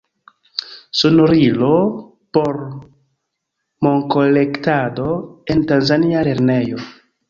Sonorilo por monkolektado en tanzania lernejo.